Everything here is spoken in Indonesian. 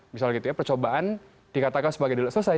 misalnya gitu ya percobaan dikatakan sebagai tidak selesai